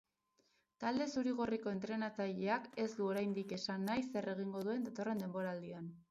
Talde zuri-gorriko entrenatzaileak ez du oraindik esan nahi zer egingo duen datorren denboraldian.